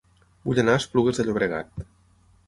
Vull anar a Esplugues de Llobregat